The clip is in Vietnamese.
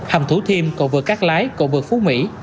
hầm thủ thiêm cộng vực cát lái cộng vực phú mỹ